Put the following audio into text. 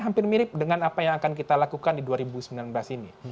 hampir mirip dengan apa yang akan kita lakukan di dua ribu sembilan belas ini